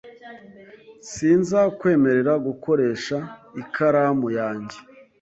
Sinzakwemerera gukoresha ikaramu yanjye .